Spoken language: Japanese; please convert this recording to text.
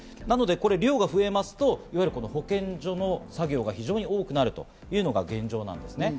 なので量が増えますと、保健所の作業が非常に多くなるというのが現状です。